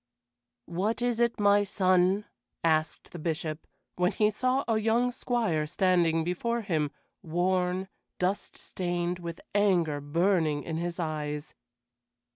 "What is it, my son?" asked the Bishop, when he saw a young squire standing before him, worn, dust stained, with anger burning in his eyes.